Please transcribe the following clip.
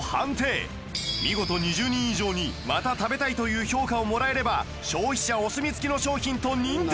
見事２０人以上に「また食べたい」という評価をもらえれば消費者お墨付きの商品と認定